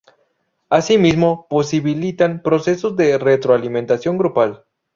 Asimismo, posibilitan procesos de retroalimentación grupal.